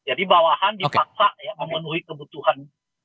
oke jadi bawahan dipaksa ya memenuhi kebutuhan